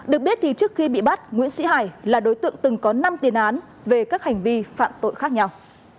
được biết thì trước khi bị bắt nguyễn sĩ hải là đối tượng từng có năm tiền án về các hành vi phạm tội khác nhau